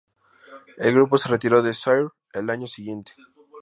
El grupo se retiró de "Sire" el año siguiente.